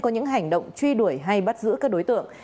có những hành động truy đuổi hay bắt giữ các đối tượng